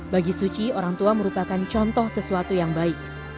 bagi suci orang tua merupakan contoh sesuatu yang baik